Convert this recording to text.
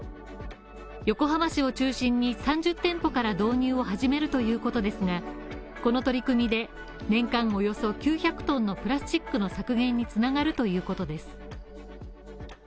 横浜市を中心に３０店舗から導入を始めるということですがこの取り組みで、年間およそ９００ｔのプラスチックの削減に繋がるということです。